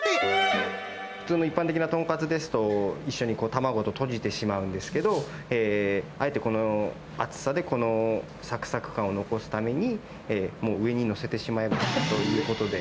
普通の一般的なとんかつですと、一緒に卵ととじてしまうんですけど、あえてこの厚さでこのさくさく感を残すために、もう上に載せてしまえ！ということで。